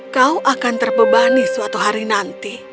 kau akan terbebani suatu hari nanti